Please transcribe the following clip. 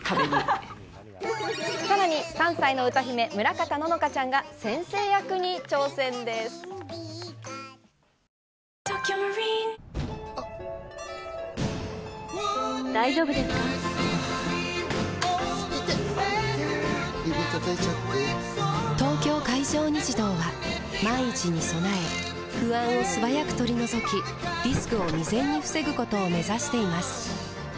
指たたいちゃって・・・「東京海上日動」は万一に備え不安を素早く取り除きリスクを未然に防ぐことを目指しています